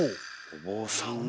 お坊さんが。